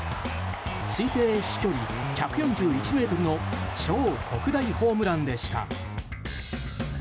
推定飛距離１４１ｍの超特大ホームランでした。